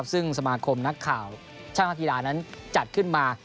ซึ่งสมาคมนักข่าวช่างนักกีฬานั้นจัดขึ้นมา